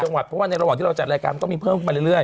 เพราะว่าในระหว่างที่เราจัดรายการมันก็มีเพิ่มขึ้นมาเรื่อย